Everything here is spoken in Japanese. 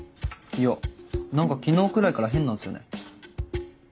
いや何か昨日くらいから変なんすよね。